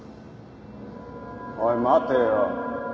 おい待てよ。